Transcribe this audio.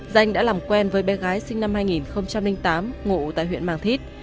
danh đã làm quen với bé gái sinh năm hai nghìn tám ngụ tại huyện mang thít